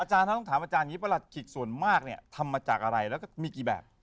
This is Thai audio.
อาจารย์ถ้าต้องถามอาจารย์ประหลักศิกษ์ส่วนมากทำมาจากอะไรและมีกี่แบบ